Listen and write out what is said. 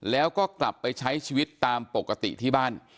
แล้วก็กลับไปใช้ชีวิตตามปกติที่บ้าน